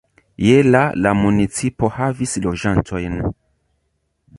Je la la municipo havis loĝantojn.